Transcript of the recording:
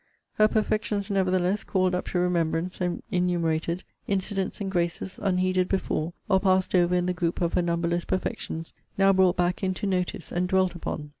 Her perfections, nevertheless, called up to remembrance, and enumerated; incidents and graces, unheeded before, or passed over in the group of her numberless perfections, now brought back into notice, and dwelt upon!